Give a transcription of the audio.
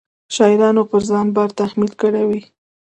شاعرانو پر ځان بار تحمیل کړی وي.